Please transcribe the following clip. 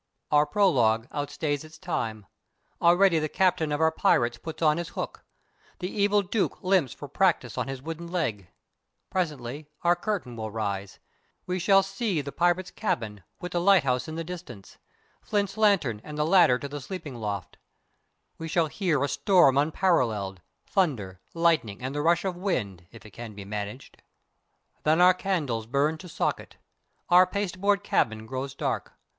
_ _Our prologue outstays its time. Already the captain of our pirates puts on his hook. The evil Duke limps for practice on his wooden leg. Presently our curtain will rise. We shall see the pirates' cabin, with the lighthouse in the distance, Flint's lantern and the ladder to the sleeping loft. We shall hear a storm unparalleled thunder, lightning and a rush of wind, if it can be managed._ _Then our candles burn to socket. Our pasteboard cabin grows dark.